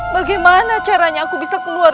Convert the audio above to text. bagaimana caranya aku bisa keluar